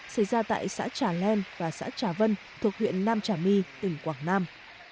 xảy ra tại xã trà len và xã trà vân thuộc huyện nam trà my tỉnh quảng nam